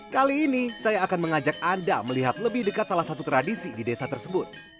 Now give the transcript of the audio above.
kali ini saya akan mengajak anda melihat lebih dekat salah satu tradisi di desa tersebut